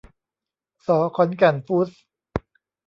ส ขอนแก่นฟู้ดส์